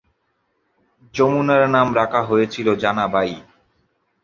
যমুনার নাম রাখা হয়েছিল জানা বাই।